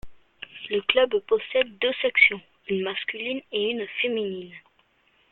Le club possède deux sections, une masculine et une féminine.